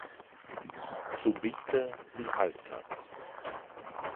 Subite li haltas.